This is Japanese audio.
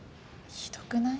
ひどくない？